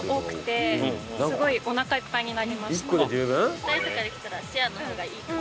２人とかで来たらシェアの方がいいかも。